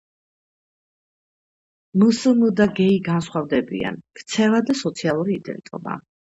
მსმ და გეი განსხვავდებიან: ქცევა და სოციალური იდენტობა.